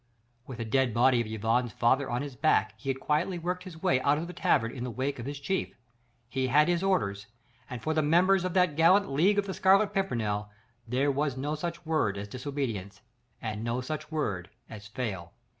With the dead body of Yvonne's father on his back he had quietly worked his way out of the tavern in the wake of his chief. He had his orders, and for the members of that gallant League of the Scarlet Pimpernel there was no such word as "disobedience" and no such word as "fail."